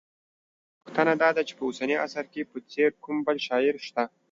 پوښتنه دا ده چې په اوسني عصر کې په څېر کوم بل شاعر شته